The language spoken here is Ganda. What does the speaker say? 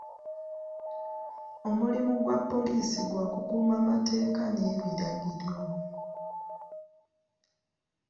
Omulimu gwa poliisi gwa kukuuma mateeka n'ebiragiro.